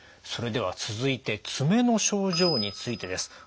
それでは続いて爪の症状についてです。